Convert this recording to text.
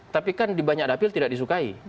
tapi kan di banyak dapil tidak disukai